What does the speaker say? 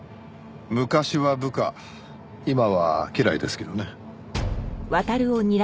昔は部下今は家来ですけどね。